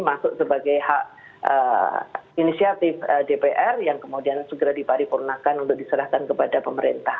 masuk sebagai hak inisiatif dpr yang kemudian segera diparipurnakan untuk diserahkan kepada pemerintah